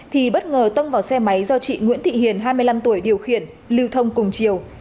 thì bất ngờ tông vào xe máy do chị nguyễn thị hiền hai mươi năm tuổi điều khiển lưu thông cùng chiều